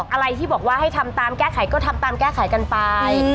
อะไรที่บอกว่าให้ทำตามแก้ไขก็ทำตามแก้ไขกันไป